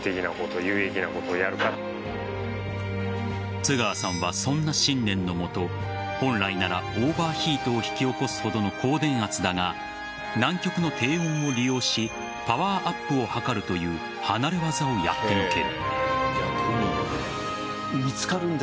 津川さんは、そんな信念のもと本来ならオーバーヒートを引き起こすほどの高電圧だが南極の低温を利用しパワーアップを図るという離れ業をやってのける。